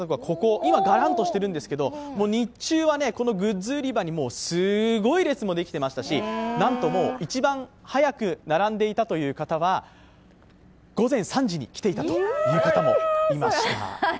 今、ガランとしているんですけど、日中はグッズ売り場にすごい列もできていてましたし、なんと一番早く並んでいたという方は、午前３時に来ていたという方もいました。